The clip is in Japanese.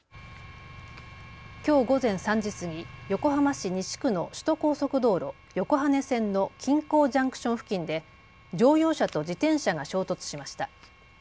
きょう午前３時過ぎ横浜市西区の首都高速道路横羽線の金港ジャンクション付近で乗用車と自転車が衝突しました。